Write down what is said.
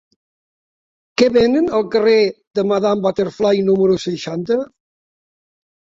Què venen al carrer de Madame Butterfly número seixanta?